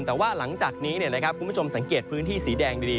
แต่ว่าหลังจากนี้คุณผู้ชมสังเกตพื้นที่สีแดงดี